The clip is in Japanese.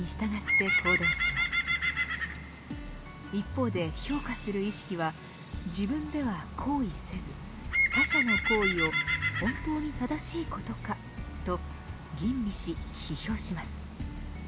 一方で評価する意識は自分では行為せず他者の行為を「本当に正しいことか？」と吟味し批評します。